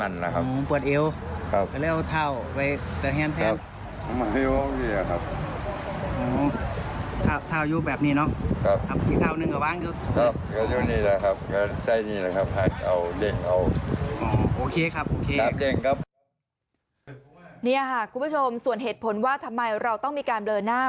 นี่ค่ะคุณผู้ชมส่วนเหตุผลว่าทำไมเราต้องมีการเบลอหน้า